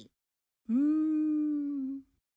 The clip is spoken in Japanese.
うん。